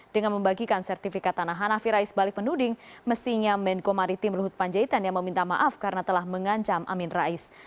dengan membagikan sertifikat tanah hanafi rais balik menuding mestinya menko maritim luhut panjaitan yang meminta maaf karena telah mengancam amin rais